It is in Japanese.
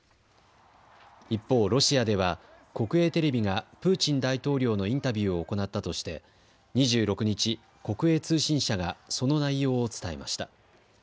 一方、ロシアでは国営テレビがプーチン大統領のインタビューを行ったとして２６日、国営通信社がその内容を伝えました。